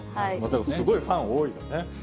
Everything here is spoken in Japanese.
すごいファン多いよね。